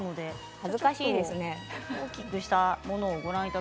恥ずかしいですね。